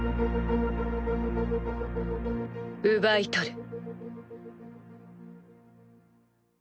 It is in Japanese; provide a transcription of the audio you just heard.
奪い取る。